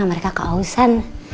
mereka ke ausan